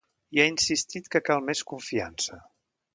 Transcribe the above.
I ha insistit que cal més confiança.